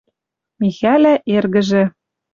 Михӓлӓ эргӹжӹ